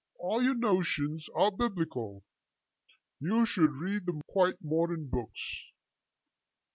all your notions are biblical. You should read the quite modern books.'